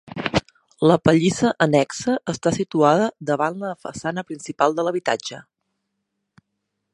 La pallissa annexa està situada davant la façana principal de l'habitatge.